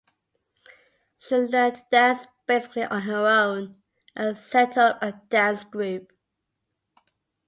She learned to dance basically on her own, and set up a dance group.